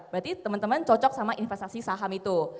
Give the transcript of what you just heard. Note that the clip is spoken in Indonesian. berarti teman teman cocok sama investasi saham itu